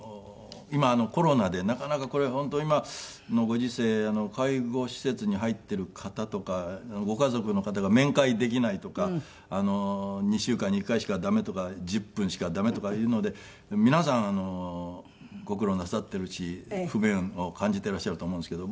今コロナでなかなかこれ本当に今のご時世介護施設に入っている方とかご家族の方が面会できないとか２週間に１回しか駄目とか１０分しか駄目とかいうので皆さんご苦労なさっているし不便を感じていらっしゃると思うんですけど。